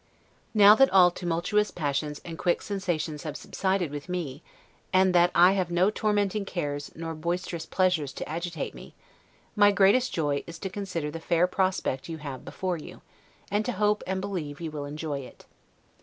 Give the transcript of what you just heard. Now that all tumultuous passions and quick sensations have subsided with me, and that I have no tormenting cares nor boisterous pleasures to agitate me, my greatest joy is to consider the fair prospect you have before you, and to hope and believe you will enjoy it.